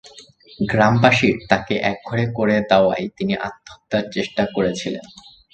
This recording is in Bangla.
গ্রামবাসীর তাঁকে একঘরে করে দেওয়ায় তিনি আত্মহত্যার চেষ্টা করেছিলেন।